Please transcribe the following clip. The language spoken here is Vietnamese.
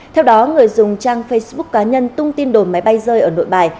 theo đó người dùng trang facebook cá nhân tung tin đồn máy bay rơi ở nội bài